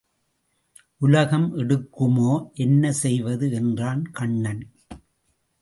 உலகம் எடுக்குமோ என்ன செய்வது? என்றான் கண்ணன்.